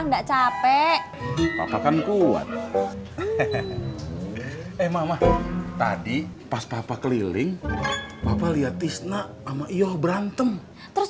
enggak capek apa kan kuat eh mama tadi pas papa keliling papa lihat tisna ama iyo berantem terus